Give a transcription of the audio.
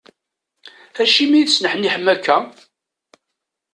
Acimi i tesneḥniḥem akka?